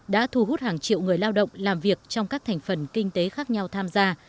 đã thu hút hàng triệu người lao động làm việc trong các thành phần kinh tế khác nhau tham gia